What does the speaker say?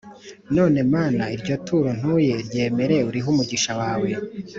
None Mana iryo turo ntuyeryemere urihe uwo mugisha wawe